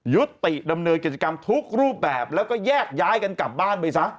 ยุติดำเนินกิจกรรมทุกรูปแบบแล้วก็แยกย้ายกันกลับบ้านไปซะ